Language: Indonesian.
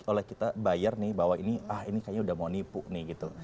oleh kita bayar nih bahwa ini ah ini kayaknya udah mau nipu nih gitu